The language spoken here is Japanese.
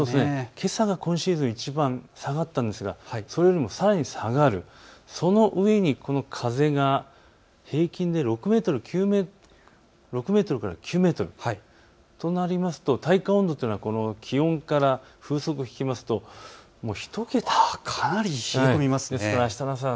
けさは今シーズンいちばん下がったんですがそれよりもさらに下がる、そのうえにこの風が平均で６メートルから９メートルとなりますと体感温度は気温から風速を引きますと１桁、かなり冷え込みます。